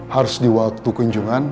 harus diwaktu kunjungan